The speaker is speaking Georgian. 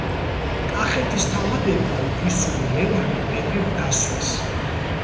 კახეთის თავადებმა უფლისწული ლევანი მეფედ დასვეს.